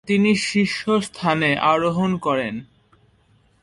তিনি শীর্ষস্থানে আরোহণ করেন।